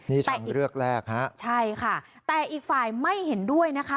นี่เป็นเรื่องแรกฮะใช่ค่ะแต่อีกฝ่ายไม่เห็นด้วยนะคะ